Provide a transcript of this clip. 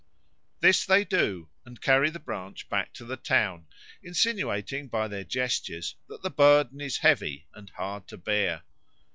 This they do and carry the branch back to the town, insinuating by their gestures that the burden is heavy and hard to bear.